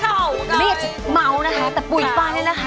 ไหนอยากจะเมานะครับแต่ปุ้ยบ้านนี่นะฮะ